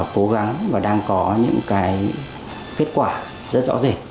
cố gắng và đang có những cái kết quả rất rõ rệt